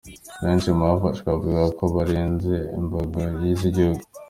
Benshi mu bafashwe bavuga ko barenze imbago z’igihugu .